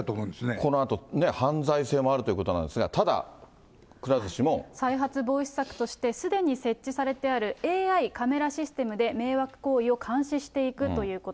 このあと、犯罪性もあるということなんですが、ただ、くら寿再発防止策として、すでに設置されてあるＡＩカメラシステムで、迷惑行為を監視していくということ。